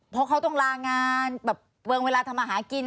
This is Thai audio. เพราะเขาต้องลางานแบบเวิร์งเวลาทำอาหารกิน